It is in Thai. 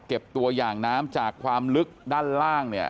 เก็บตัวอย่างน้ำจากความลึกด้านล่างเนี่ย